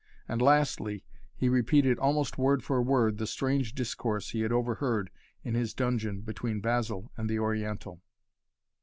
And lastly he repeated almost word for word the strange discourse he had overheard in his dungeon between Basil and the Oriental.